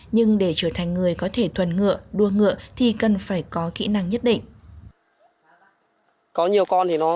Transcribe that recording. nhưng để trở thành người có thể thuần ngựa đua ngựa thì cần phải có kỹ năng nhất định